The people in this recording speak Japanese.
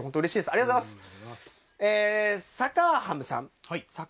ありがとうございます！